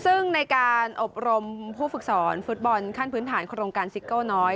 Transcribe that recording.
ซึ่งในการอบรมผู้ฝึกสอนฟุตบอลขั้นพื้นฐานโครงการซิโก้น้อย